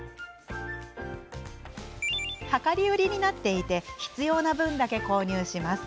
量り売りになっていて必要な分だけ購入します。